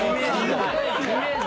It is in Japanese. イメージ。